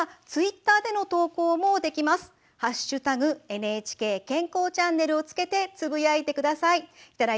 「＃ＮＨＫ健康チャンネル」をつけてつぶやいてください。